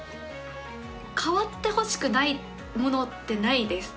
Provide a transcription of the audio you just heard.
変わってほしくないものってないです。